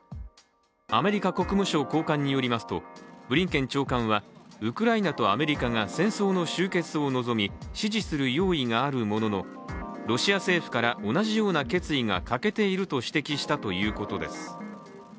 アメリカ国務省高官によりますとブリンケン長官はウクライナとアメリカが戦争の終結を望み支持する用意があるもののロシア政府から同じような決意が欠けていると指摘したということです。